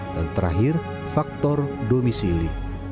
dan terakhir faktor domisili